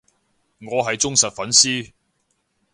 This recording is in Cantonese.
我係忠實粉絲